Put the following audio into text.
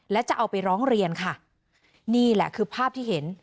และจะเอาไปร้องเรียนค่ะนี่แหละคือภาพที่เห็น